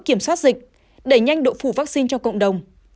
kiểm soát dịch đẩy nhanh độ phủ vaccine cho cộng đồng